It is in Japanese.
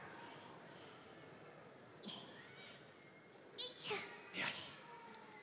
よいしょ。